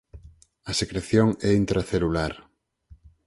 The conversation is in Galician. A secreción é intracelular.